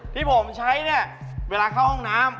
ที่ผมใช้เนี่ยเวลาเข้าห้องน้ำ